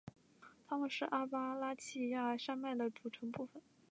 它们是阿巴拉契亚山脉的组成部分。